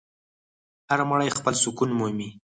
هر مړی خپل سکون مومي.